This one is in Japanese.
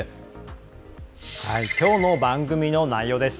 きょうの番組の内容です。